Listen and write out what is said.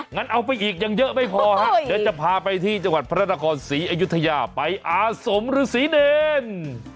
งั้นเอาไปอีกยังเยอะไม่พอฮะเดี๋ยวจะพาไปที่จังหวัดพระนครศรีอยุธยาไปอาสมฤษีเนร